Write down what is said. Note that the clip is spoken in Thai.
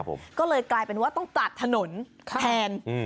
ครับผมก็เลยกลายเป็นว่าต้องตัดถนนแผนอืม